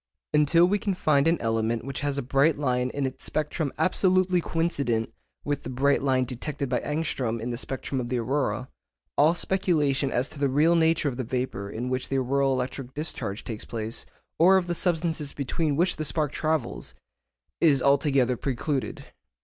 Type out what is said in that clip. Until we can find an element which has a bright line in its spectrum absolutely coincident with the bright line detected by Ångström in the spectrum of the aurora, all speculation as to the real nature of the vapour in which the auroral electric discharge takes place, or of the substances between which the spark travels, is altogether precluded.